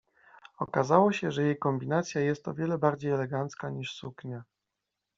Okazało się, że jej kombinacja jest o wiele bardziej elegancka niż suknia.